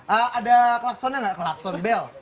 ada klaksonnya gak klakson bel